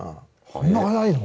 そんな早いの？